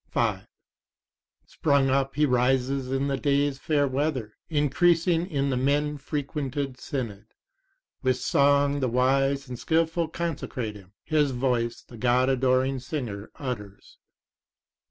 5 Sprung up he rises in the days' fair weather, increasing in the men frequented synod. With song the wise and skilful consecrate him: his voice the God adoring singer utters.